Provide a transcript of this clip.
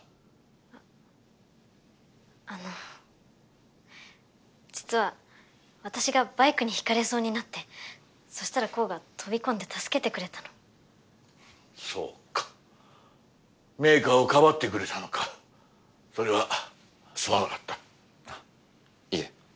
あっあの実は私がバイクにひかれそうになってそしたら煌が飛び込んで助けてくれたのそうか明花をかばってくれたのかそれはすまなかったあっいえ